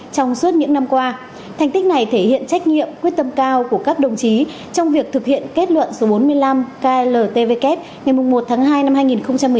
trong suốt những năm qua thành tích này thể hiện trách nhiệm quyết tâm cao của các đồng chí trong việc thực hiện kết luận số bốn mươi năm kltvk ngày một tháng hai năm hai nghìn một mươi chín